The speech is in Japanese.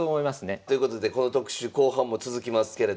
ということでこの特集後半も続きますけれども。